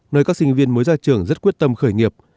nơi các sinh viên mới ra trường rất quyết tâm khởi nghiệp